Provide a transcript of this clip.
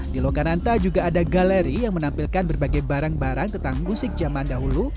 di lokananta juga ada galeri yang menampilkan berbagai barang barang tentang musik zaman dahulu